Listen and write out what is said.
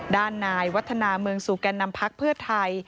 ด้านนายวัฒนาเมืองสู่แก่นำพักเพื่อไทย